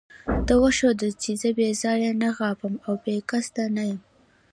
ده وښودل چې زه بې ځایه نه غاپم او بې قصده نه یم.